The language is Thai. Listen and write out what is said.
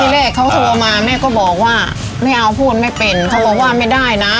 แรกเขาโทรมาแม่ก็บอกว่าไม่เอาพูดไม่เป็นเขาบอกว่าไม่ได้นะ